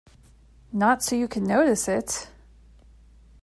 Not so you could notice it!